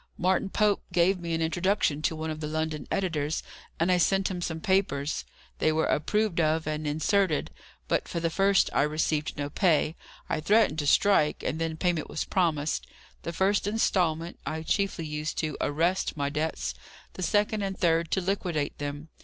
Martin Pope gave me an introduction to one of the London editors, and I sent him some papers. They were approved of and inserted: but for the first I received no pay. I threatened to strike, and then payment was promised. The first instalment, I chiefly used to arrest my debts; the second and third to liquidate them.